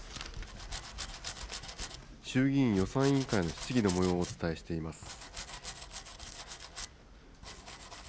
衆議院予算委員会の質疑のもようをお伝えしています。